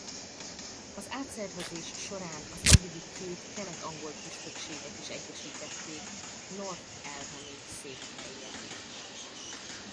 Az átszervezés során az addigi két kelet-angol püspökséget is egyesítették North Elmham-i székhellyel.